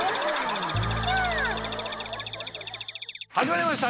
始まりました！